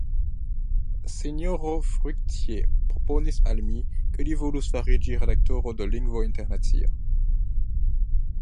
Sinjoro Fruictier proponis al mi, ke li volus fariĝi redaktoro de "Lingvo Internacia".